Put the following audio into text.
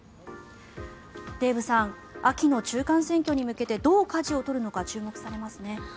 デーブさん秋の中間選挙に向けてどうかじを取るのか注目されますね。